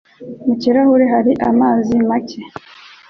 Mu kirahure hari amazi make.